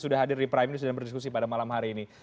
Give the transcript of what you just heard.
sudah hadir di prime news dan berdiskusi pada malam hari ini